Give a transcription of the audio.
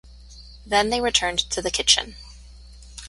Then they returned to the kitchen.